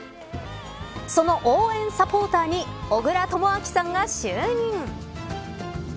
その応援サポーターに小倉智昭さんが就任。